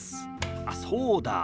あっそうだ。